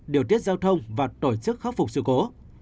điều tiết giao thông và tổ chức khắc phục sự cố